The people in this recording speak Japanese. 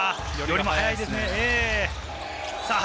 寄りも早いですね。